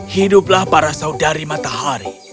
hiduplah para saudari matahari